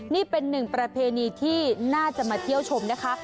นี่เป็นหนึ่งประเพณีที่น่าจะมาเที่ยวชมนะคะ